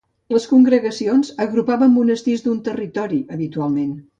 Les congregacions agrupaven monestirs d'un territori, habitualment.